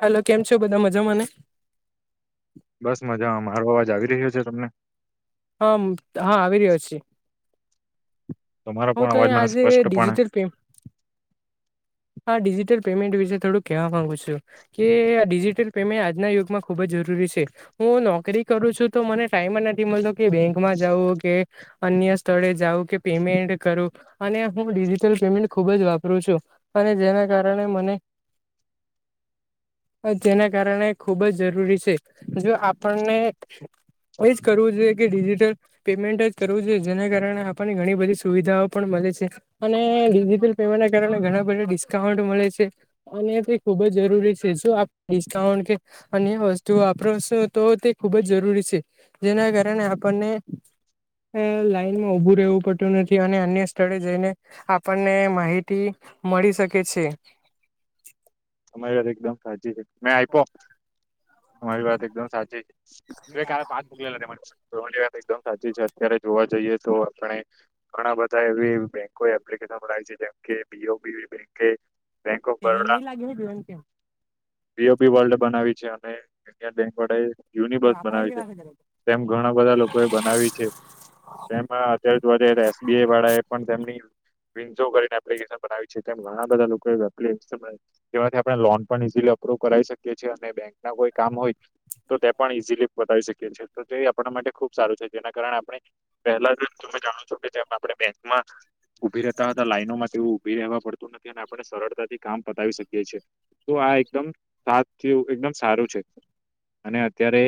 Hello કેમ છો બધા મજામાંને? બસ મજામાં મારો અવાજ આવી રહ્યો છે તમને? હમ હા આવી રહ્યો છે. તમારો હ પણ તો અવાજ મને આજે સ્પષ્ટપણે ડિજિટલ પેમેન્ટ હા ડિજિટલ પેમેન્ટ વિશે થોડુંક કહેવા માંગુ છુ કે ડિજિટલ પેમેન્ટ આજના યુગમાં ખૂબ જ જરૂરી છે. હું નોકરી કરું છું તો મને ટાઈમ નથી મળતો કે બેંકમાં જવ કે અન્ય સ્થળે જાવ કે પેમેન્ટ કરું અને હું ડિજિટલ પેમેન્ટ ખુબ જ વાપરું છું. અને જેના કારણે મને જેના કારણે ખુબ જ જરૂરી છે. જો આપણને એજ કરવું જોઈએ કે ડિજિટલ પેમેન્ટ જ કરવું જોઈએ જેના કારણે આપણને ઘણી બધી સુવિધાઓ પણ [inaudible] અને ડિજિટલ પેમેન્ટ કારણે ઘણા ડિસ્કાઉન્ટ મળે છે અને તે ખુબ જ જરૂરી છે શું આપ ડિસ્કાઉન્ટ કે અન્ય વસ્તુ વાપરો છો, તો તે ખૂબ જ જરૂરી છે જેના કારણે આપણને લાઈનમાં ઉભું રહેવું પડતું નથી અને અન્ય સ્થળે જઈને આપણને માહિતી મળી શકે છે. તમારી વાત એકદમ સાચી છે, મેં આપ્યો, તમારી વાત એકદમ સાચી છે- એ કાલ પાચ મોકલેલા તમારી ની વાત એકદમ સાચી છે અત્યારે જોવા જઈએ તો આપણે ઘણા બધા એવી બેકો એપ્લિકેશન સંભળાય છે, જેમ કે બીઓબી બેકે તે મને લાગે [unintelligible] કેમ? બિઓબિ વર્લ્ડ બનાવી છે, અને [unintelligible] બેંકવાળાએ યુનિબર્સ બનાવી છે. તેમ ઘણા બધા લોકો એ બનાવી છે એમાં અત્યારે વધારે એસબીઆઈ વાળા એ પણ તેમની વિન્સો કરીને એપ્લિકેશન બનાવી છે, તેમ ઘણા બધા લોકો [unintelligible] જેમાંથી આપણે લોન પણ ઈઝીલી અપ્રુવ કરાઈ શકીએ છીએ અને બેંક ના કોઈ કામ હોય તો તે પણ ઈઝીલી બતાવી શકીએ છીએ, તો તે આપણા માટે ખુબ સારું છે. જેના કારણે આપણે પહેલા જાણૂ છુ કે જેમ આપણે બેંકમાં ઉભી રહેતા હતા લાઈનોમાં તેવું ઉભી રહેવા પડતું નથી અને આપણે સરળ કામ પતાવી શકીએ છિએ. તો આ એકદમ સાથ એકદમ સારું છે. અને અત્યારે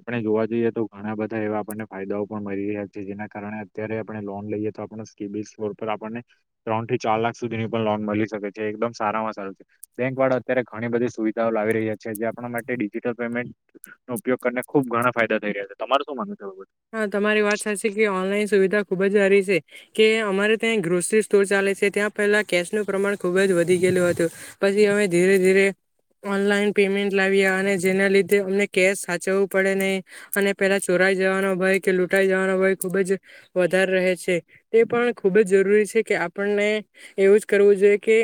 આપણે જોવા જઈએ તો ઘણા બધા એવા આપણને ફાયદાઓ પણ મળી રહ્યા છે, જેના કારણે અત્યારે આપણે લોન લઈએ તો આપણને શિબિર સ્કોર ઉપર આપણને ત્રણ થી ચાર લાખ સુધીની પણ લોન મળી શકે છે. એકદમ સારામાં સારૂ બેંક વાળા અત્યારે ઘણી બધી સુવિધાઓ લાવી રહ્યા છે. જે આપણા માટે ડિજિટલ પેમેન્ટ નો ઉપયોગને ખુબ ઘણા ફાયદા થઈ રહ્યા છે, તમારું શું માનવુ છે? આ બાબતે? હા તમારી વાત સાચી કે ઓનલાઈન સુવિધા ખુબ જ સારી કે અમારે ત્યાં ગ્રોસરી સ્ટોર ચાલે છે. ત્યાં પહેલા કેશનું પ્રમાણ ખુબ જ વધી ગયેલું હતું પછી અમે ધીરે ધીરે ઓનલાઈન પેમેન્ટ લાવ્યા અને જેના લીધે અમને કેશ સાચવું પડે નહી અને પેલા ચોરાય [unintelligible] ય કે લૂંટાઈ જવાના હોય ખૂબ જ વધારે રહે છે. એ પણ ખૂબ જ જરૂરી છે કે આપણને એવું જ કરવું જોઈએ કે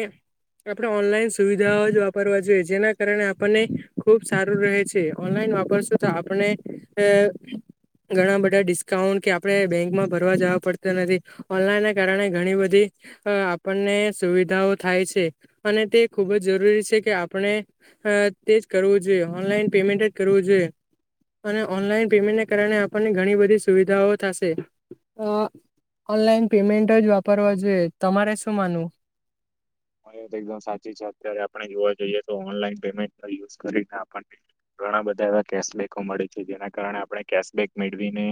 આપણે ઓનલાઈન સુવિધાઓ જ વાપરવા જોઈએ જેના કારણે આપણને ખુબ સારું રહે છે. ઓનલાઈન વાપરશું તો આપણે ઘણા બધા ડિસ્કાઉન્ટ કે આપણે બેંકમાં ભરવા જવા પડતા નથી. ઓનલાઈનને કારણે ઘણી બધી અ આપણને સુવિધાઓ થાય છે અને તે ખૂબ જ જરૂરી છે કે આપણે અ તેજ કરવું જોઈએ ઓનલાઈન પેમેન્ટ જ કરવું જોઈએ અને ઓનલાઈન પેમેન્ટને કારણે આપણને ઘણી બધી સુવિધાઓ થશે. ઓનલાઈન પેમેન્ટ જ વાપરવા જોઈએ, તમારે શું માનવું? હ એ તો એકદમ સાચી છે. અત્યારે આપણે જોવા જઈએ તો ઓનલાઈન પેમેન્ટ યુઝ કરીને આપણને ઘણા બધા એવા કેશબેકો મળે છે. જેના કારણે આપણે કેશબેક મેળવીને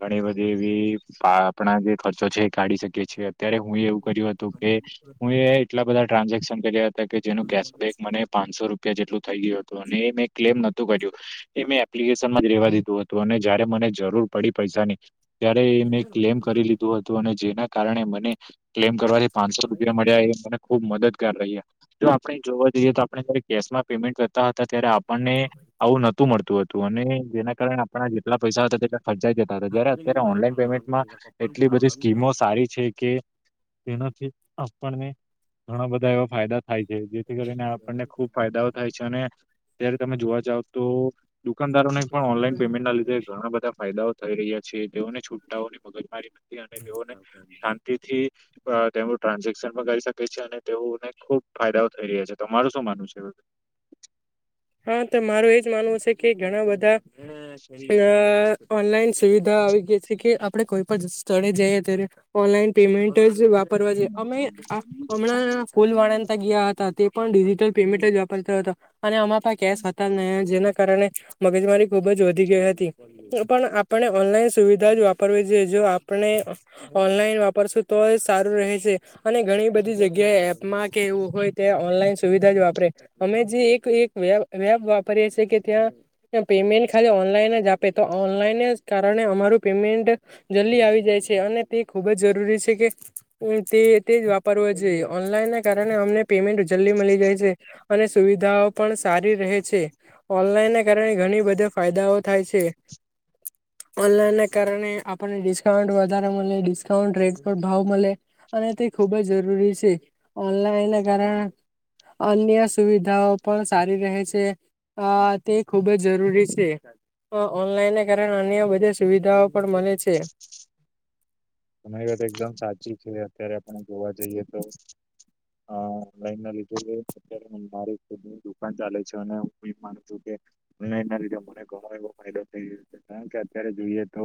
ઘણી બધી એવી આપણા જે ખર્ચો છે એ કાઢી શકીએ છીએ. ત્યારે હું એવું કર્યું હતું કે હું એ એટલા બધા ટ્રાન્ઝેક્શન કર્યા હતા કે જેનું કેશ બેગ મને પાંનસો રૂપિયા જેટલું થઈ ગયું હતું અને એ મેં ક્લેમ નોતું કર્યું એ મેં એપ્લિકેશનમાં જ રેવા દીધું હતું અને જારે મને જરૂર પડી પૈસાની ત્યારે એ મેં ક્લેમ કરી લીધું હતું અને જેના કારણે મને ક્લેમ કરવાથી પાંનસો રૂપિયા મળ્યા એ મને ખુબ મદદગાર રહયા, જો આપણે જોવા જઈએ તો આપણે જયારે કેશમાં પેમેન્ટ કરતા હતા ત્યારે આપણને આવું નોતું મળતું હતું અને જેના કારણે આપણા જેટલા પૈસા હતા તેટલા ફરજાઈ જતા હતા જય્યારે અત્યારે ઓનલાઈન પેમેન્ટમાં એટલી બધી સ્કીમો સારી છે કે તેનાથી આપણને ઘણા બધા એવા ફાયદા થાય છે જેથી કરીને આપણને ખુબ ફાયદાઓ થાય છે અને ત્યારે તમે જોવા જાવ તો દુકાનદારોને પણ ઓનલાઈન પેમેન્ટ ના લીધે ઘણા બધા ફાયદાઓ થઈ રહ્યા છે. તેઓને છુટાઓને મગજ મારી તે [inaudible] શાંતિથી તેમ ટ્રાન્ઝેક્શન કરી અને તેવને ખુબ ફાયદાઓ થઈ રહ્યા છે તમારૂ શું માનવું છે? હા તો માર એજ માનવું છે કે, ઘણા બધા ઓનલાઈન સુવિધા બ આવી ગયા છે કે આપડણે કોઈ પણ સ્થળે જઈએ ત્યારે ઓનલાઈન પેમેન્ટ વાપરવા જે અમે હમણાં ફૂલ વાણાતા ગયા હતા તે પણ ડિજિટલ પેમેન્ટ જ વાપરતા હતા અને આમાં પણ કેશ હતા નહ જેના કારણે મગજમારી ખુબ જ વધી ગઈ હતી પણ આપણે ઓનલાઈન સુવિધા જ વાપરવી જોઈએએ આપણે ઓનલાઈન વાપરશું તો સારું રહે છે અને ઘણી બધી જગ્યાએ એપમાં કે એવું હોય તે ઓનલાઈન સુવિધા જ વાપરે અમે જે એક વ વેબ વાપરીએએ કે ત્યાં પેમેન્ટ ખાલી ઓનલાઈન જ આપે તો ઓનલાઈન જ કારણે અમારું પેમેન્ટ જલ્દી આવી જાય છે અને તે ખૂબ જ જરૂરી છે કે વાપરવો જોએ ઓનલાઈન કારણે અમને પેમેન્ટ જલ્દી મળી જાય છે અને સુવિધાઓ પણ સારી રહે છે. ઓનલાઈનને કારણે ઘણી બધા ફાયદાઓ થાય છે. ઓનલાઈન ના કારણે આપણને ડિસ્કાઉન્ટ વધારે મળે ડિસ્કાઉન્ટ રેટ પર ભાવ મળે અને ખૂબ જરૂરી છે ઓનલાઈન ના કારણે અન્ય સુવિધાઓ પણ સારી રહે છે તે ખુબ જ જરૂરી છે. હ ઓનલાઈનને કારણે અન્ય બધી સુવિધાઓ પણ મળે છે. તમારી મરી વાત એકદમ સાચી છે. અત્યારે આપણે જોવા જઈએ તો અ લન ના લીધુંત મારીની દુકાન ચાલે છે અને હું એ માનું છું કે ના લીધે મને ઘણો એવો ફાયદો થઈ રહ્યો છે કારણ કે અત્યારે જોઈએ તો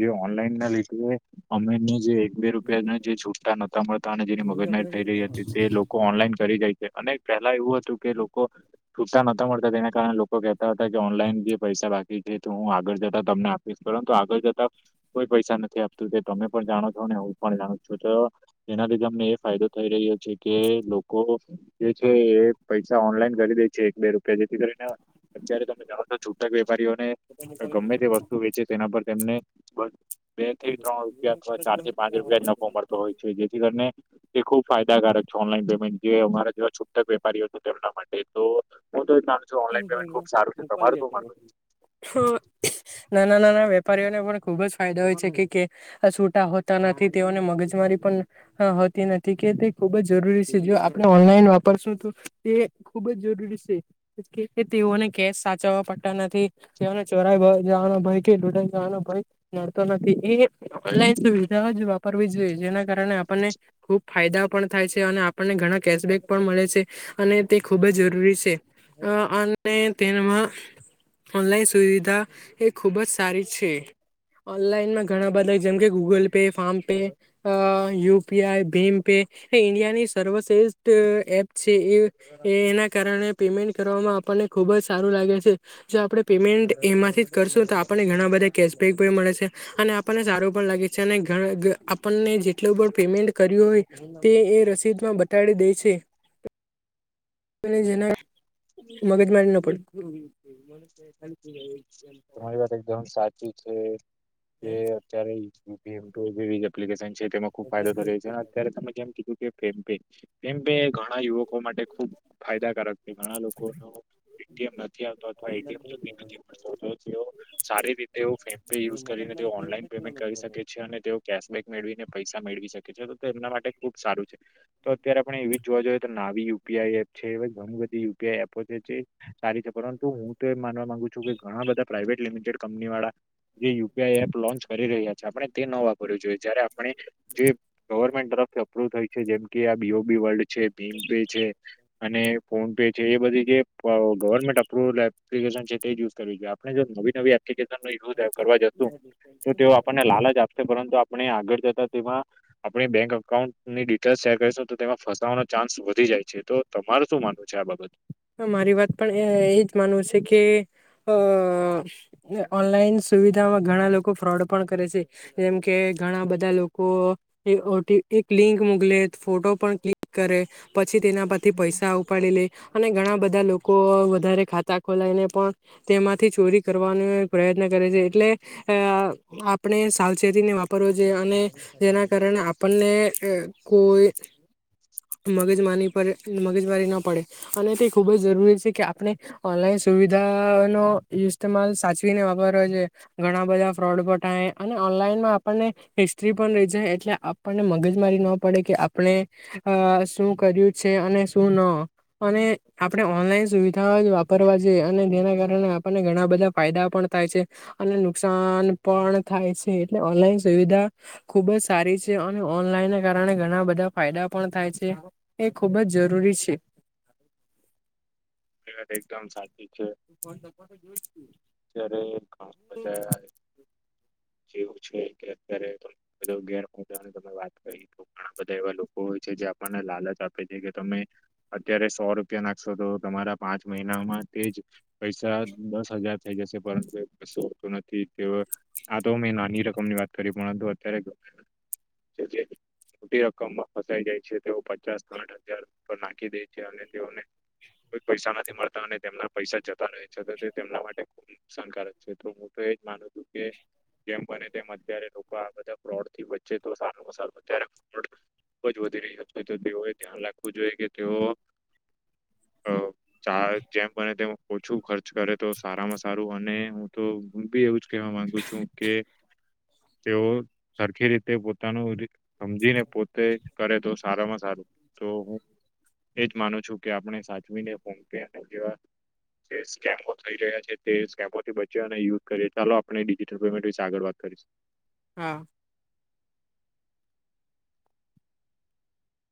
જે ઓનલાઈન ના લીધે અમે એને જે બે રૂપિયાને જે છૂટા નતા મળતા અને જેની મગજમારી થઈ રહી હતી તે લોકો ઓનલાઈન કરી જાય છે અને પેલા એવું હતું કે લોકો છૂટા નહતા મળતા તેના કારણે લોકો કેહેતા હતા કે ઓનલાઈન જે પૈસા બાકી એ તો હું આગળ જતા તમને આપીશ પરંતુ આગળ જતા કોઈ પૈસા નથી આપતું. તે તમે પણ જાણો છો ને હું પણ જાણું છું તો એના લીધે અમને એ ફાયદો કહી રહ્યો છે કે લોકો જે છે એ પૈસા ઓનલાઈન કરી દે છે એક બે રૂપિયા જેથી કરીને અત્યારે યારે તમે છૂટા વેપારીઓને ગમે તે વસ્તુ વેચે તેના પર તેમને બે થી ત્રણ રૂપિયા અથવા ચાર થી પાંચ રૂપિયા જ નફકો મળતો હોય છે જેથી કરીને તે ખુબ ફાયદાકારક ઓનલાઈન પેમેન્ટ જે અમારા જેવા છૂટાક વેપારીઓ હતો તેમના માટે તો તો એ માનું છું ઓનલાઈન પેમેન્ટ ખુબ સારું છે તમારું શું માનવું છે? નાના નાના પરને પણ ખુબ જ ફાયદા હોય છે કે છૂટા હોતા નથી તેઓને મગજમારી પણ નથી કે તે ખૂબ જ જરૂરી છે જો આપણે ઓનલાઈન વાપરશું તો તે ખુબ જ જરૂરી છે તેઓને કેસ સાચવવા પડતા નથી તેઓને ચોરાઈ જવાનો ભય કે લુંટાઈ જવાનો ભય સુવિધા જ વાપરવી જોઈએ જેના કારણે આપણને ખૂબ ફાયદા પણ થાય છે અને આપણને ઘણા કેશબેક પણ મળે છે અને તે ખૂબ જ જરૂરી છે- અ અને તેમાં ઓનલાઈન સુવિધા એ ખૂબ જ સારી છે. ઓનલાઈનમાં ઘણા બધા જેમકે Google Pay PhonePe UPI ભીમ પે ઇન્ડિયાની સર્વશ્રેષ્ઠ એપ છે એ એના કારણે પેમેન્ટ કરવામાં આપણને ખૂબ જ સારું લાગે છે જો આપણે પેમેન્ટ એમાંથી જ કરશું તો આપણને ઘણા બધા મળે છે અને આપણને સારું પણ લાગે છે અને આપણને જેટલું પેમેન્ટ કરી હોય તે એ રસીદમાં બતાડી દે છે જેના મગજ મારી ના પડે તમારી વાત એકદમ સાચી છે કે અત્યારે જેવી એપ્લિકેશન છે તેમાં ખુબ ફાયદો થઈ રહ છે અને અત તમે જેમ કે ફોનપે ફોનપે ઘણા યુવકો માટે ખુબ ફાયદાકારક છે ઘણા લોકો નો એ ટી એમ નથી આવતો અથવા એ ટી એમ નથી મળતો તો તેઓ સારી રીતે ફોન પે યુઝ કરીને તે ઓનલાઈન પેમેન્ટ કરી શકે છે અને તેઓ કેશબેક મેળવીને પૈસા મેળવી શકે છે તો એમના માટે ખુબ સારું છે તો અત્યારે આપણે એવી જોવા જોઈએ તો નાવીય યુપીઆઈ એપ છે એવી ઘણી બધી યુપીઆઈ એપો છે જે સારી છે પરંતુ હું તો એમ માનવા માંગુ છું કે ઘણા બધા પ્રાઇવેટ લિમિટેડ કંપની વાળા જે યુપીઆઈ એપ લોન્ચ કરી રહ્યા આપણે તે ન વાપરવું જોઈએ જયારે આપણે જે તરફથી અપ્રુવ થાય છે જેમ આ બીઓ બી વલ્ડ છે ભીમ પે છે અને ફોન પે છે એ બધી જે ગવર્મેન્ટ અપ્રુવ એપ્લિકેશન છે તે યુઝ કરવી જોઈએ આપણેે જો નવી નવી એપ્લિક ય કરવા જશું તો તેઓ આપણને લાલચ આપશે પરંતુ આપણે આગળ જતા તેમાં આપણી બેંક અકાઉન્ટની ડિટેલ શેર કરીશું તો તેમાં ફસાવવાનો ચાન્સ વધી જાય છે તો તમાર શું માનવું છે આ બાબત મારી વાત પણ એ એજ માનવું છે કે અ ઓનલાઈન સુવિધામાં ઘણા લોકો ફ્રોડ પણ કરે છે જેમ કે ઘણા બધા લોકો એક ઓ ટી એક લિંક મોકલે ફોટો પણ ક્લિક કરે પ પછી તેના પરથી પૈસા ઉપાડી લે અને ઘણા બધા લોકો વધારે ખાતા ખોલાઈને પણ તેમાંથી ચોરી કરવાનો પ્રયત્ન કરે છે એટલે અ આપણે સાવચેતીને વાપરવો જોઈએ અને જેના કારણે આપણને અ કોઈ મગજ માની પડે મગજ મારી ના પડે અને તે ખુબ જ જરૂરી છે કે આપણે ઓનલાઈન સુવિધા નો ઇસ્ટમાલ સાચવીને બ ફ ઘણા બધા ફ્રોડ પણ અને ઓનલાઈનમાંઆપણને હિસ્ટ્રી પણ આપણને મગજ મારી નો પડે કે આપણે શું કર્યું છે અને શું ન અને આપણે ઓનલાઈન સુવિધા જ વાપરવા છે અને તેના કારણે આપણને ઘણા બધા ફાયદા પણ થાય થાય છે અને નુકશાન પણ થાય છે ઓનલાઈન સુવિધા ખુબજ સારી છે અને ઓનલાઈનને કારણે ઘણા બધા ફાયદા પણ થાય છે એ ખૂબ જ જરૂરી છે વાત એકદમ સાચી છે ત્યારે ઘણા મજા આવે જેવું છે કે અત્યારે બધા ગેર પહોચાની તમે વાત કરી તો ઘણા બધા એવા લોકો હોય જે આપણને લાલચ આપે છે કે તમે અત્યારે સો રૂપિયા નાખશો તો તમારા પાંચ મહિનામાં તેજ પૈસા દસ હજાર થઈ જશે પરંતુું તો એવું કશું હોતું નથી તેઓ આ તો મેં નાની રકમ ની વાત કરી પરંતુ અત્યારે શ મોટી રકમમાં ફસાઈ જાય છે તેઓ પચાસ સાઠ હજાર પર નાખી દે છે અને તેઓને કોઈ પૈસા નથી મળતા અને તેમના પૈસા જતા નથી છતાં તે તેમના માટે ખુબ નુકસાનકારક છે તો હું તો માનું છું કે જેમ બને તેમ અત્યારે લોકો આ બધા ફ્રોડ થી બચે તો સારુંમાં સારું અત્યારે ફોડ વધી રહ્યા છે તો તેઓએ ધ્યાન રાખવું જોઈએ કે તેઓ અ ચા જેમ બને તેમ ઓછું ખર્ચ કરે તો સારામાં સારું અને હું તો હું બી એવું જ કહેવા માંગુ છું કે તેઓ સરખી રીતે તે પોતાનું રીતે સમજીને પોતે કરે તો સારામાં સારું તો હું એજ માનું છું કે આપણે સાચવીને ફોનપે જેવા જે સ્કેમો થઈ રહ્યા છે તે સ્કેમોથી બચે અને યુઝ કરી ચાલો આપણે ડિજિટલ પેમેન્ટ વિશે આગળ વાત કરી કરીશ હા